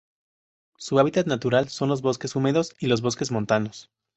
Su hábitat natural son los bosques húmedos y los bosques montanos.